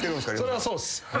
それはそうっす。